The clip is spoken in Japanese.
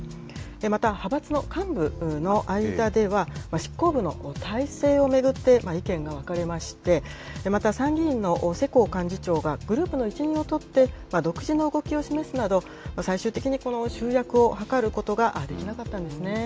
また、派閥の幹部の間では、執行部の体制を巡って意見が分かれまして、また参議院の世耕幹事長が、グループの一任を取って、独自の動きを示すなど、最終的にこの集約を図ることができなかったんですね。